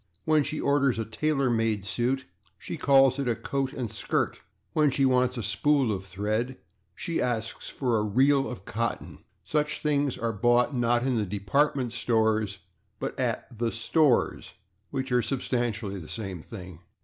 When she orders a /tailor made suit/, she calls it a /coat and skirt/. When she wants a /spool of thread/ she asks for a /reel of cotton/. Such things are bought, not in the /department stores/, but at the /stores/, which are substantially the same thing.